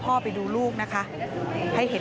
พบหน้าลูกแบบเป็นร่างไร้วิญญาณ